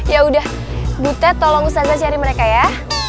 ya udah butet tolong ustazah cari mereka ya